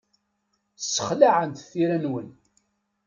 Ssexlaɛent tira-nwen.